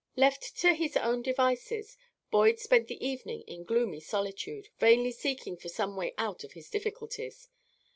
Left to his own devices, Boyd spent the evening in gloomy solitude, vainly seeking for some way out of his difficulties.